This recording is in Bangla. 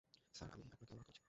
স্যার, আমি আপনাকে অনুরোধ করছি।